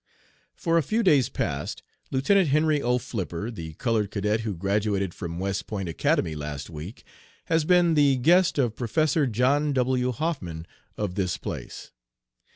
"For a few days past Lieutenant Henry O. Flipper, the colored cadet who graduated from West Point Academy last week, has been the guest of Professor John W. Hoffman, of this place.